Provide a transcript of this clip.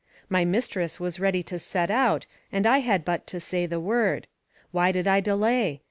My mistress was ready to set out and I had but to say the word. Why did I delay?